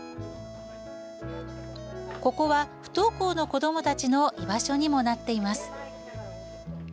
ここは不登校の子どもたちの居場所にもなっています。